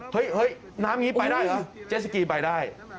เฮ้ยน้ำนี้ไปได้หรือเจ็ตสกีไปได้